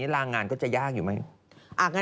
รางงานก็จะยากอยู่ไหม